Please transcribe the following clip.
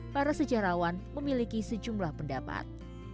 para sejarawan memiliki sejumlah pendapat